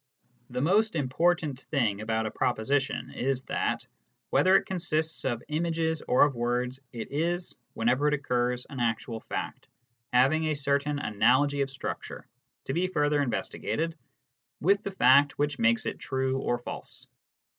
The most important thing about a proposition is that, whether it consists of images or of words, it is, whenever it occurs, an actual fact, having a certain analogy of structure to be further investigated with the fact which makes it true or false.